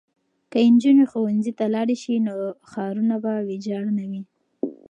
که نجونې ښوونځي ته لاړې شي نو ښارونه به ویجاړ نه وي.